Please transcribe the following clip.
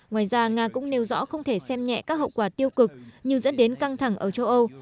ngoài ra nga cũng nêu rõ không thể xem nhẹ các hậu quả tiêu cực như dẫn đến căng thẳng ở châu âu